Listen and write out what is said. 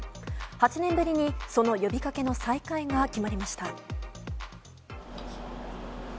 ８年ぶりにその呼びかけの再開が決まりました。